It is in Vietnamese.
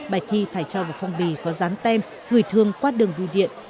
bài thi phải cho vào phong bì có rán tem gửi thương qua đường bùi điện